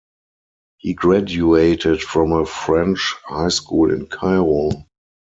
He graduated from a French high school in Cairo.